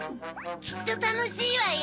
きっとたのしいわよ。